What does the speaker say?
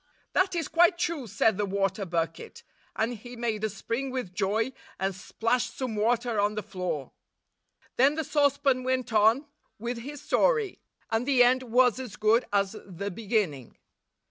'That is quite true,' said the water bucket; and he made a spring with joy, and splashed some water on the floor. Then the saucepan went on with his story, and the end was as good as the beginning.